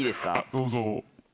どうぞ。